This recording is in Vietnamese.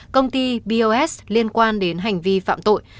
công ty bos liên quan đến hành vi phạm tội